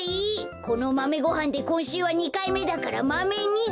このマメごはんでこんしゅうは２かいめだからマメ２だ！